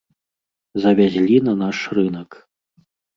Завязлі на наш рынак.